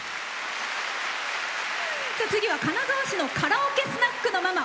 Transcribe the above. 次は金沢市のカラオケスナックのママ。